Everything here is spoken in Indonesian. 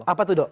apa tuh dong